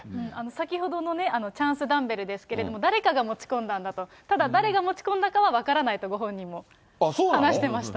先ほどのチャンスダンベルですけども、誰かが持ち込んだと、ただ、誰が持ち込んだかは分からないと、ご本人も話してましたね。